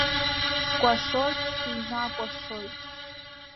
Скәашоит, сыҩнакәашоит.